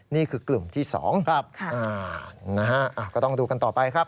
นี่คือกลุ่มที่๒นะฮะก็ต้องดูกันต่อไปครับ